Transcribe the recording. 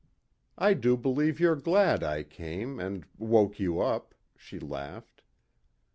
"I do believe you're glad I came, and woke you up," she laughed.